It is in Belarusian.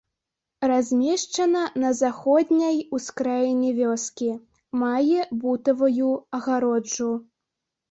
Размешчана на заходняй ускраіне вёскі, мае бутавую агароджу.